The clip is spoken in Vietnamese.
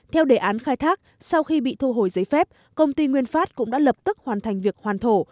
theo đề án khai thác sau khi bị thu hồi giấy phép công ty nguyên phát cũng đã lập tức hoàn thành việc hoàn thổ